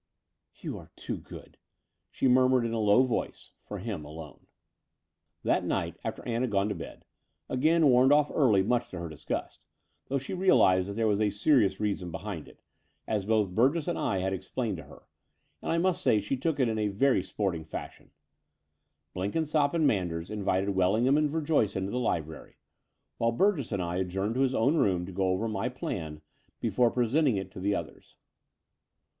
"You are too good," she murmured in a low voice — ^for him alone. VIII That night, after Ann had gone to bed, again warned off early much to her disgust, though she realized that there was a serious reason behind it, as both Biurgess and I had explained to her — ^and I must say she took it in a very sporting fashion — Blenkinsopp and Manders invited Wellingham and Verjoyce into the library, while Burgess and I adjourned to his own room to go over my plan before presenting it to the others.